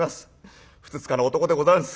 ふつつかな男でござんす。